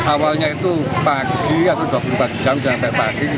awalnya itu pagi atau berubah jam sampai pagi